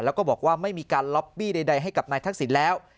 แล้วก็บอกว่าไม่มีการล็อบบี้ใดให้กับนายทักษิณแล้ว